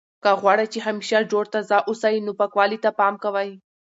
که غواړئ چې همیشه جوړ تازه اوسئ نو پاکوالي ته پام کوئ.